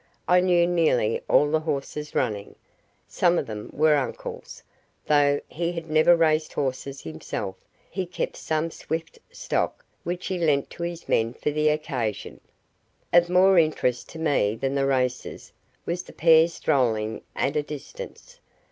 I knew nearly all the horses running. Some of them were uncle's; though he never raced horses himself, he kept some swift stock which he lent to his men for the occasion. Of more interest to me than the races was the pair strolling at a distance.